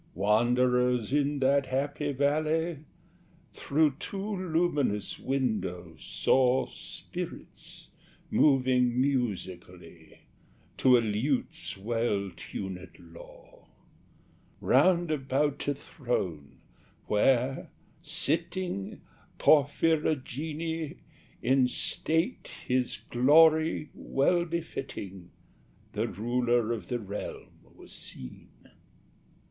Wanderers in that happy valley, Through two luminous windows, saw Spirits moving musically, To a lute's well tuned law, Round about a throne where, sitting (Porphyrogene!) In state his glory well befitting, The ruler of the realm was seen.